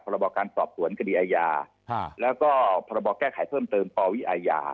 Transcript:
พรบการสอบสวนกดีอายาฮะแล้วก็พรบการแก้ไขเพิ่มเติมต่อวิอายา